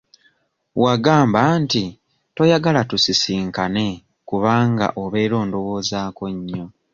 Wagamba nti toyagala tusisinkane kubanga obeera ondowoozaako nnyo.